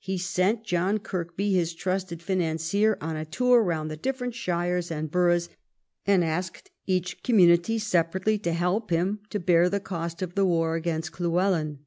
He sent John Kirkby, his trusted financier, on a tour round the different shires and boroTighs, and asked each community separately to help him to bear the cost of the war against Llywelyn.